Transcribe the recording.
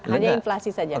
hanya inflasi saja